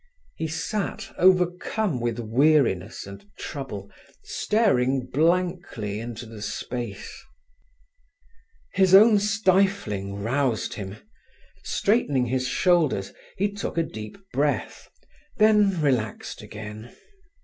He sat, overcome with weariness and trouble, staring blankly into the space. His own stifling roused him. Straightening his shoulders, he took a deep breath, then relaxed again.